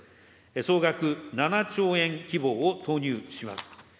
総額７兆円規模を投入します。